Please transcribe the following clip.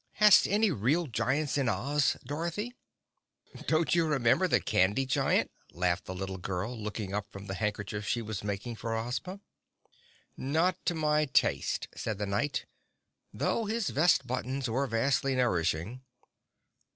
Hast any real giants in Oz, Dorothy?" "Don't you remember the candy giant?" laughed the little girl, looking up from the handkerchief she was making for Ozma. "Not to my taste," said the Knight, "though his vest buttons were vastly nourishing."